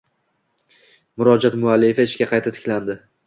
Murojaat muallifi ishga qayta tiklanding